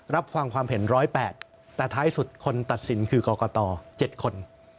รับฟังความเห็น๑๐๘แต่ท้ายสุดคนตัดสินคือกรกต๗คน